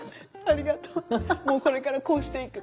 「もうこれからこうしていく」。